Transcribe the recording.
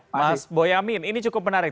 mas boyamin ini cukup menarik